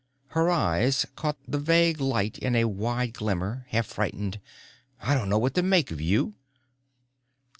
Her eyes caught the vague light in a wide glimmer, half frightened. "I don't know what to make of you."